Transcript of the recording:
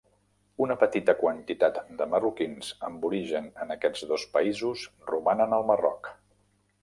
Una petita quantitat de marroquins amb origen en aquests dos països romanen al Marroc.